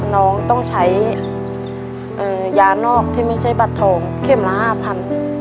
น้องต้องใช้ยานอกที่ไม่ใช่บัตรทองเข้มละห้าพัน